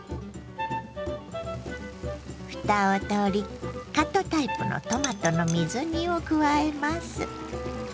ふたを取りカットタイプのトマトの水煮を加えます。